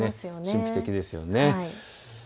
神秘的ですよね。